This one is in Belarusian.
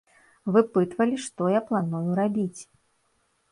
Выпытвалі, што я планую рабіць.